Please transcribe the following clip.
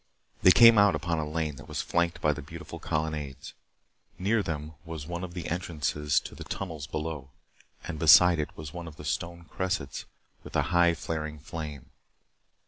They came out upon a lane that was flanked by the beautiful colonnades. Near them was one of the entrances to the tunnels below, and beside it was one of the stone cressets with a high flaring flame.